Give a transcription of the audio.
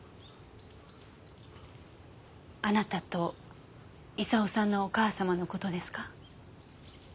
あなたと功さんのお母様の事ですか？